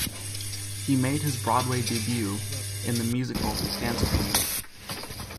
He made his Broadway debut in the musical "Dance with Me".